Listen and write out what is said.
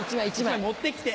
１枚持ってきて。